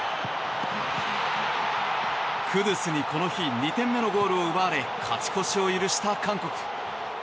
クドゥスにこの日２点目のゴールを奪われ勝ち越しを許した韓国。